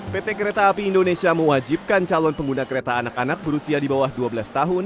pt kereta api indonesia mewajibkan calon pengguna kereta anak anak berusia di bawah dua belas tahun